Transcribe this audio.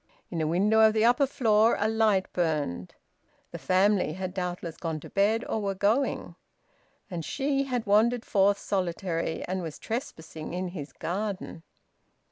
In a window of the upper floor a light burned. The family had doubtless gone to bed, or were going... And she had wandered forth solitary and was trespassing in his garden.